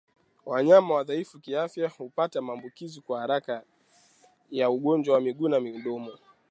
Wanyama wadhaifu kiafya hupata maambukizi kwa haraka ya ugonjwa wa miguu na midomo